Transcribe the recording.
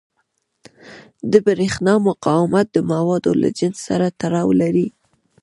د برېښنا مقاومت د موادو له جنس سره تړاو لري.